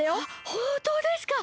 ほんとうですか！？